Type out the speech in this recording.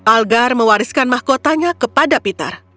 algar mewariskan mahkotanya kepada peter